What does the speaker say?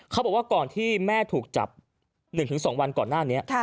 เขาบอกว่าก่อนที่แม่ถูกจับหนึ่งถึงสองวันก่อนหน้านี้ค่ะ